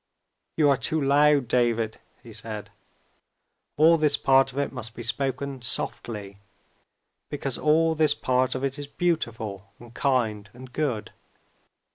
"You are too loud, David," he said. "All this part of it must be spoken softly because all this part of it is beautiful, and kind, and good.